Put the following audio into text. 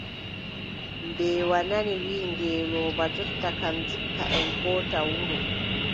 Mbeewa nani wiʼi ngeelooba jonta kam, ndikka en koota wuro.